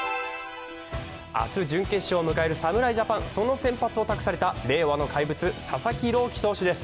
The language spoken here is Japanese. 明日準決勝を迎える侍ジャパンその先発を託された令和の怪物・佐々木朗希投手です。